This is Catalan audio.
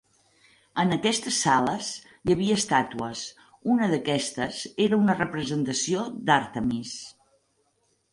En aquestes sales, hi havia estàtues, una d'aquestes era una representació d'Àrtemis.